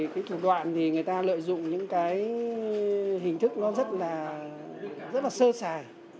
cái thủ đoạn thì người ta lợi dụng những cái hình thức nó rất là sơ xài